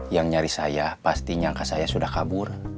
yang nyari saya pastinya angka saya sudah kabur